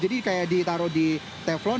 jadi kayak ditaruh di teflon